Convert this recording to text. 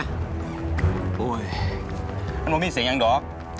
อานหมอนมีเสียงของดอก